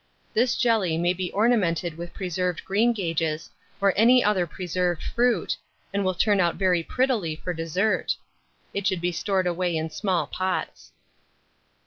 This jelly may be ornamented with preserved greengages, or any other preserved fruit, and will turn out very prettily for dessert. It should be stored away in small pots.